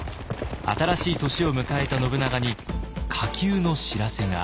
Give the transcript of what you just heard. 新しい年を迎えた信長に火急の知らせが。